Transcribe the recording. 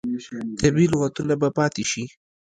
طبیعي لغتونه به پاتې شي.